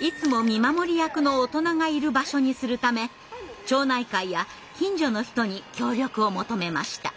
いつも見守り役の大人がいる場所にするため町内会や近所の人に協力を求めました。